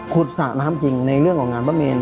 สระน้ำจริงในเรื่องของงานพระเมน